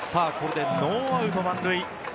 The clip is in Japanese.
これでノーアウト満塁。